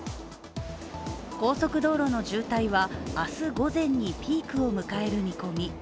高速道路の渋滞は明日午前にピークを迎える見込み。